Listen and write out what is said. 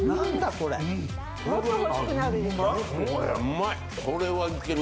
これうまい！